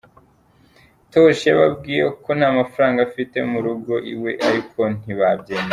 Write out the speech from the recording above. Tosh yababwiye ko nta mafaranga afite mu rugo iwe ariko nti babyemera.